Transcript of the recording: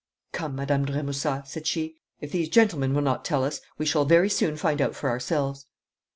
'Come, Madame de Remusat,' said she. 'If these gentlemen will not tell us we shall very soon find out for ourselves.'